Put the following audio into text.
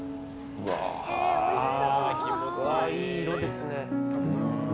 うわ、いい色ですね。